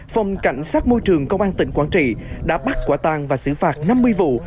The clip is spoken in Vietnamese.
phòng cảnh sát môi trường công an tỉnh quảng trị đã bắt quả tan và xử phạt năm mươi vụ